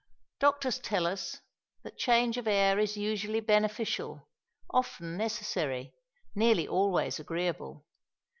Doctors tell us that change of air is usually beneficial, often necessary, nearly always agreeable.